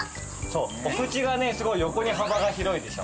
お口がねすごい横に幅が広いでしょ。